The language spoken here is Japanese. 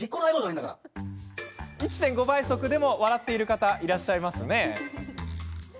１．５倍速でも笑っている方いらっしゃいますね。